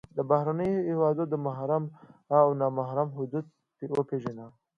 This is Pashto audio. د بهرني هېواد د محرم او نا محرم حدود وپېژنه.